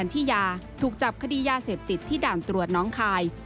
ที่ยาถูกจับคดียาเสพติดที่ด่านตรวจน้องคาย